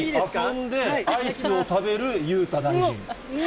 遊んでアイスを食べる裕太大臣。